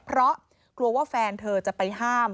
เพราะกลัวว่าแฟนเธอจะไปห้าม